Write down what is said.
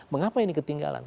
mengapa ini ketinggalan